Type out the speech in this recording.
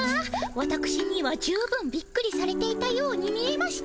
わたくしには十分びっくりされていたように見えましたが。